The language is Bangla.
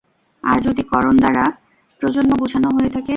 আর যদি করন দ্বারা প্রজন্ম বুঝানো হয়ে থাকে।